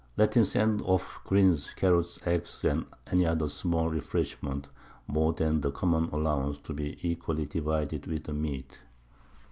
Let him send off Greens, Carrots, Eggs, or any other small Refreshment, more than the common Allowance, to be equally divided with the Meat.